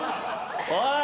おい！